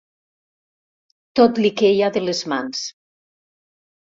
Tot li queia de les mans.